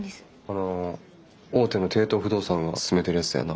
あの大手の帝都不動産が進めてるやつだよな？